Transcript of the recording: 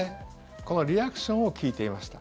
このリアクションを聞いていました。